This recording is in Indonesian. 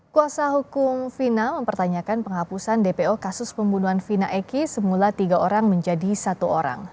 kuasa hukum fina mempertanyakan penghapusan dpo kasus pembunuhan vina eki semula tiga orang menjadi satu orang